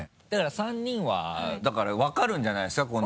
だから３人はだから分かるんじゃないですか？